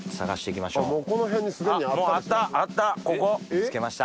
見つけました？